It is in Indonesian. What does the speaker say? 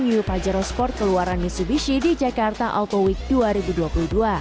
neu pajero sport keluaran mitsubishi di jakarta auto week dua ribu dua puluh dua